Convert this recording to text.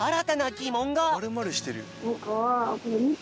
まるまるしてるよ。